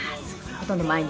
ほとんど毎日？